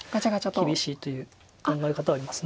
厳しいという考え方あります。